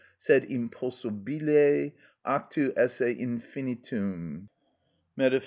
sed impossibile, actu esse infinitum_), Metaph.